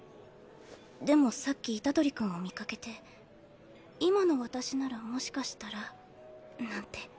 でもさっき虎杖君を見かけて今の私ならもしかしたらなんて。